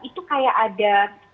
itu kayak ada